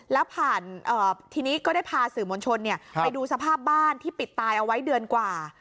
แล้วผ่านทีนี้ก็ได้พาสื่อมวลชนไปดูสภาพบ้านที่ปิดตายเอาไว้เดือนกว่า